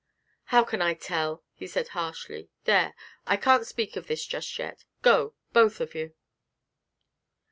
'How can I tell?' he said harshly; 'there, I can't speak of this just yet: go, both of you.'